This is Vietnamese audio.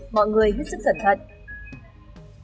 mọi người hít sức sẵn sàng